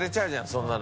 そんなの。